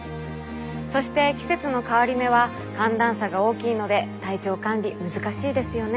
そして季節の変わり目は寒暖差が大きいので体調管理難しいですよね。